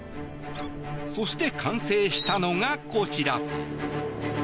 そして、完成したのがこちら。